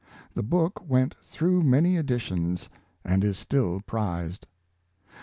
The book went through many editions, and is still prized.